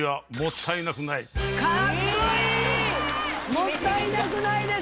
もったいなくないです